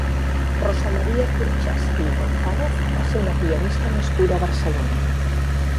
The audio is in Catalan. Rosa Maria Kucharski i Gonzàlez va ser una pianista nascuda a Barcelona.